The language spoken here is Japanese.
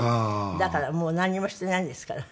だからもうなんにもしていないんですから。